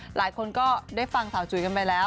หลายคนก็ได้ฟังสาวจุ๋ยกันไปแล้ว